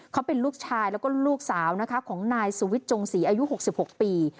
เขาเป็นลูกชายแล้วก็ลูกสาวนะคะของนายสุวิทย์จงศรีอายุ๖๖ปี